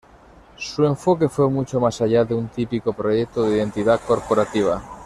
Su enfoque fue mucho más allá de un típico proyecto de identidad corporativa.